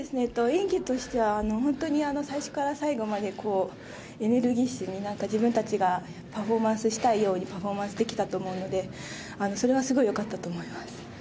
演技としては本当に最初から最後までエネルギッシュに自分たちがパフォーマンスしたいようにパフォーマンスできたと思うのでそれはすごい良かったと思います。